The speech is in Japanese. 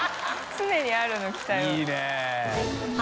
常にあるの期待は。